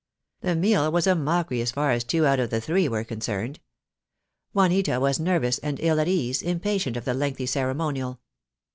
The meal was a mockery as far as two out of the three were concerned. Juanita was nervous and ill at ease, impatient of the lengthy ceremonial.